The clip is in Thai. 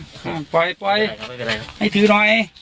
ปล่อยปล่อยไม่เป็นไรครับไม่เป็นไรครับให้ทื้อหน่อย